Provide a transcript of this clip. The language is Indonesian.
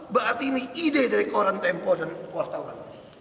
berarti ini ide dari koran tempo dan wartawan